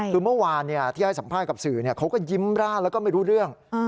คือเมื่อวานที่ให้สัมภาษณ์กับสื่อเขาก็ยิ้มร่าแล้วก็ไม่รู้เรื่อง